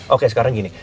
oke sekarang gini